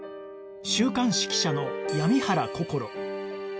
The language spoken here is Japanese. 週刊誌記者の闇原こころ